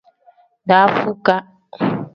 Dafukaa.